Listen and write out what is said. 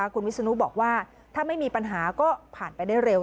คุณวิศนุบอกว่าถ้าไม่มีปัญหาก็ผ่านไปได้เร็ว